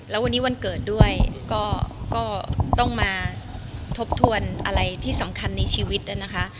แล้ววันนี้วันเกิดด้วยก็ต้องมาทบทวนอะไรที่สำคัญในชีวิตนะคะ